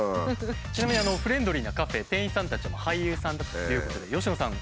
ちなみにあのフレンドリーなカフェ店員さんたちも俳優さんだということで佳乃さん